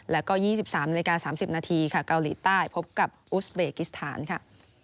แล้วก็๒๓นาฬิกา๓๐นาทีค่ะเกาหลีใต้พบกับอุสเบกิสถานค่ะ